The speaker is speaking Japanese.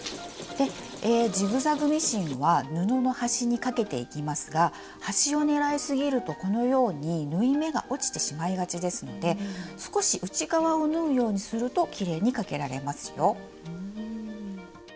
ジグザグミシンは布の端にかけていきますが端をねらいすぎるとこのように縫い目が落ちてしまいがちですので少し内側を縫うようにするときれいにかけられますよ。